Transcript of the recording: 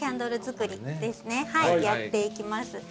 やっていきます。